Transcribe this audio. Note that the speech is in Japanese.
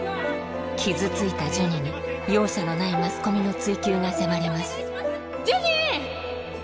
傷ついたジュニに容赦のないマスコミの追及が迫りますジュニ！